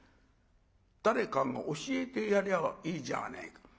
誰かが教えてやりゃいいじゃねえか。